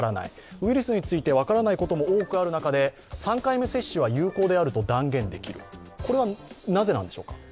ウイルスについて分からないことも多くなる中で３回目接種は有効であると断言できる、これはなぜなんでしょうか？